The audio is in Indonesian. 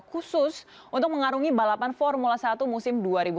khusus untuk mengarungi balapan formula satu musim dua ribu tujuh belas